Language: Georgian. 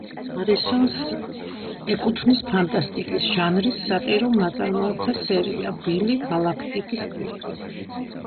ჰარისონს ეკუთვნის ფანტასტიკის ჟანრის სატირულ ნაწარმოებთა სერია „ბილი, გალაქტიკის გმირი“.